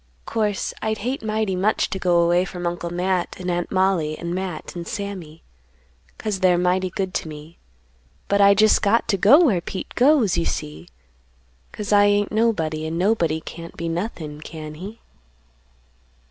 'Course, I'd hate mighty much to go away from Uncle Matt and Aunt Mollie and Matt and Sammy, 'cause they're mighty good to me; but I jest got to go where Pete goes, you see, 'cause I ain't nobody, and nobody can't be nothin', can he?"